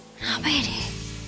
kenapa ya deh